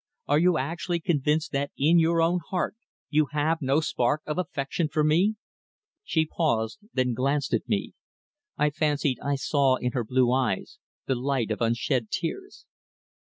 Are you actually convinced that in your own heart you have no spark of affection for me?" She paused, then glanced at me. I fancied I saw in her blue eyes the light of unshed tears.